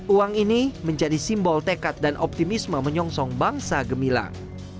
uang ini menjadi simbol tekat dan optimisme menyongsong bangsa gemilang